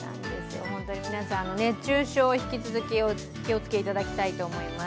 皆さん、熱中症を引き続きお気をつけいただきたいと思います。